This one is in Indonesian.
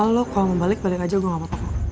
lo kalau mau balik balik aja gue gak apa apa